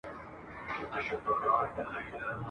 که یې ځای وو لویي وني په ځنګلوکي ..